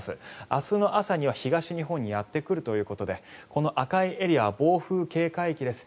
明日の朝には東日本にやってくるということでこの赤いエリアは暴風警戒域です